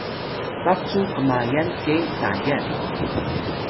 baq cu kmayal ke Tayal